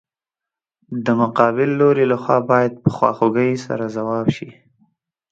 د مقابل لوري له خوا باید په خواخوږۍ سره ځواب شي.